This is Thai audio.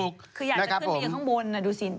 คืออยากจะขึ้นไปอย่างข้างบนนะดูสินเป็นยังไง